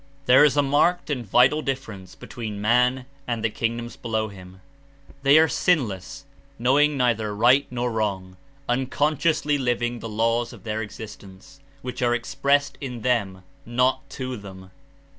There is a marked and vital difference between man and the kingdoms below him. They are sinless. knowing neither right nor wrong, unconsciously living the lav/s of their existence, which are expressed In them, not to them.